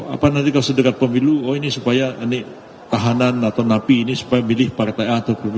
apa nanti kalau sedekat pemilu oh ini supaya ini tahanan atau napi ini supaya milih partai a atau pilih b